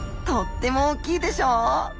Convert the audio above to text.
とっても大きいでしょ。